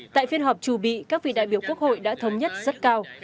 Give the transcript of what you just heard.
tại phiên họp chủ bị các vị đại biểu quốc hội đã thống nhất rất cao